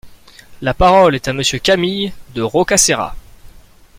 La parole est à Monsieur Camille de Rocca Serra.